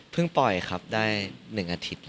พึ่งไปปล่อยได้๑อาทิตย์